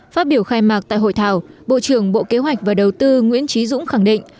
phát biểu khai mạc tại hội thảo bộ trưởng bộ kế hoạch và đầu tư nguyễn trí dũng khẳng định